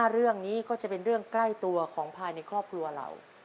เรื่องนี้ก็จะเป็นเรื่องใกล้ตัวของภายในครอบครัวเรา